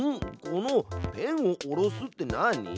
この「ペンを下ろす」って何？